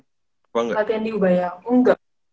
latihan di ubaya enggak